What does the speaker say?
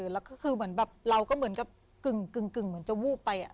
แล้วก็คือเหมือนแบบเราก็เหมือนกับกึ่งเหมือนจะวูบไป